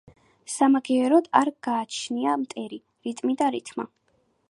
სამაგიეროდ არ გააჩნია მეტრი, რიტმი და რითმა.